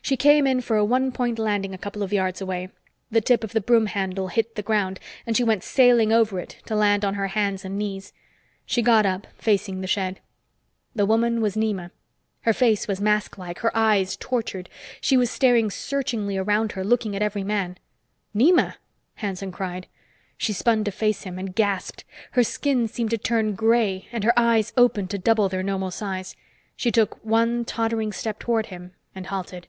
She came in for a one point landing a couple of yards away. The tip of the broom handle hit the ground, and she went sailing over it, to land on her hands and knees. She got up, facing the shed. The woman was Nema. Her face was masklike, her eyes tortured. She was staring searchingly around her, looking at every man. "Nema!" Hanson cried. She spun to face him, and gasped. Her skin seemed to turn gray, and her eyes opened to double their normal size. She took one tottering step toward him and halted.